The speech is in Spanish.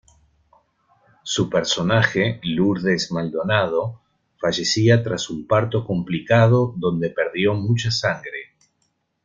Su personaje, Lourdes Maldonado, fallecía tras un parto complicado, donde perdió mucha sangre.